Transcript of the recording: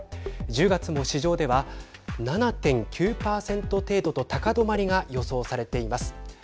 １０月も市場では７．９％程度と高止まりが予想されています。